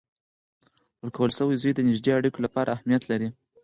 ورکول سوی زوی د نږدې اړیکو لپاره اهمیت لري.